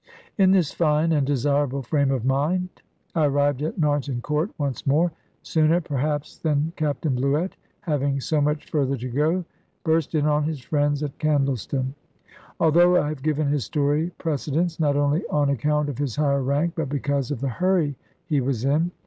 In this fine and desirable frame of mind I arrived at Narnton Court once more, sooner perhaps than Captain Bluett, having so much further to go, burst in on his friends at Candleston; although I have given his story precedence, not only on account of his higher rank, but because of the hurry he was in.